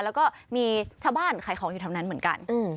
แล้วก็บ้านใครของอยู่ทางนั้นเหมือนกัน